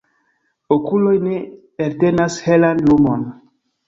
Okuloj ne eltenas helan lumon